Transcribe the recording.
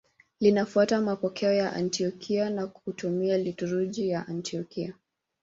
Linafuata mapokeo ya Antiokia na kutumia liturujia ya Antiokia.